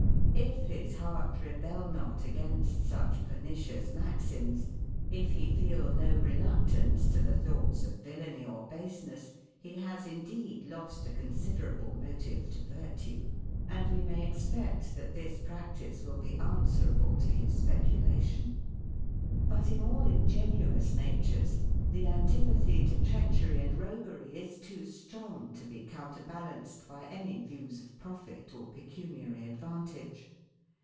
If his heart rebel not against such pernicious maxims, if he feel no reluctance to the thoughts of villainy or baseness, he has indeed lost a considerable motive to virtue; and we may expect that this practice will be answerable to his speculation. But in all ingenuous natures, the antipathy to treachery and roguery is too strong to be counter balanced by any views of profit or pecuniary advantage.